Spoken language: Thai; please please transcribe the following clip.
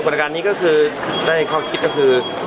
รายการนี้ก็คือได้ข้อคิดก็คือ